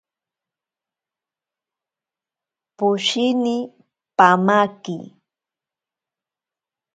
Poshini pamaki.